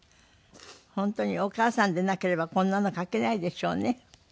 本当にお母さんでなければこんなの書けないでしょうね。